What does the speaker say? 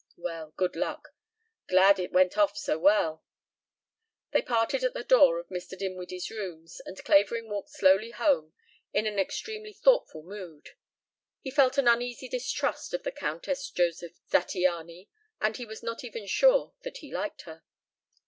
"Well, good luck. Glad it went off so well." They parted at the door of Mr. Dinwiddie's rooms and Clavering walked slowly home in an extremely thoughtful mood. He felt an uneasy distrust of the Countess Josef Zattiany, and he was not even sure that he liked her.